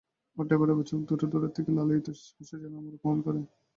ওর ড্যাবা ড্যাবা চোখ দুটো দূরের থেকে লালায়িত স্পর্শে যেন আমার অপমান করে।